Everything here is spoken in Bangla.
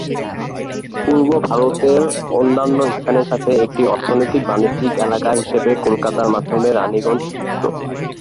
পূর্ব ভারতের অন্যান্য স্থানের সাথে একটি অর্থনৈতিক বাণিজ্য এলাকা হিসাবে কলকাতার মাধ্যমে রাণীগঞ্জ যুক্ত।